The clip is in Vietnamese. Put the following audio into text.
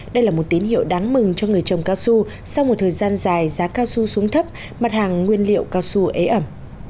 đây là một tín hiệu đáng mừng cho người trồng cao su sau một thời gian dài giá cao su xuống thấp mặt hàng nguyên liệu cao su ế ẩm